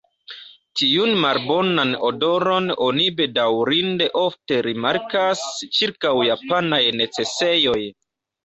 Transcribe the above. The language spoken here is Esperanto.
Tiun malbonan odoron oni bedaŭrinde ofte rimarkas ĉirkaŭ japanaj necesejoj.